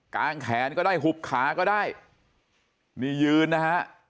งแขนก็ได้หุบขาก็ได้นี่ยืนนะฮะ